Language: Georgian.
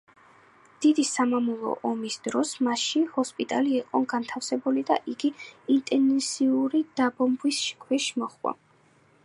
დიდი სამამულო ომის დროს მასში ჰოსპიტალი იყო განთავსებული და იგი ინტენსიური დაბომბვის ქვეშ მოჰყვა.